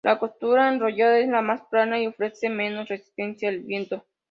La costura enrollada es más plana y ofrece menor resistencia al viento.